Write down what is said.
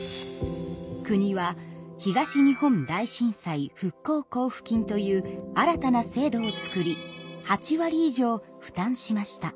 国は東日本大震災復興交付金という新たな制度を作り８割以上負担しました。